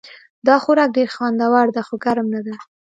دا خوراک ډېر خوندور ده خو ګرم نه ده